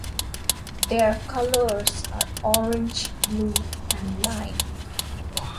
Their colours are orange, blue and lime.